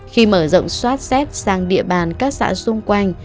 khi mở rộng soát xét sang địa bàn các xã xung quanh